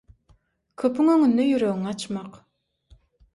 köpüň öňünde ýüregiňi açmak.